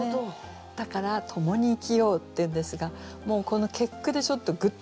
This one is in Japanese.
だから「共に生きよう」って言うんですがもうこの結句でちょっとグッと来ちゃって私。